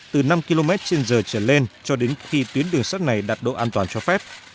từ năm km trên giờ trở lên cho đến khi tuyến đường sắt này đạt độ an toàn cho phép